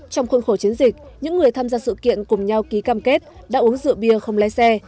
trong khuôn khổ chiến dịch những người tham gia sự kiện cùng nhau ký cam kết đã uống rượu bia không lái xe